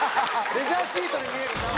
レジャーシートに見えるな。